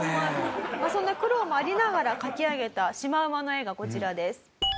そんな苦労もありながら描き上げたシマウマの絵がこちらです。